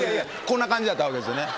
こんな感じだったわけですよね。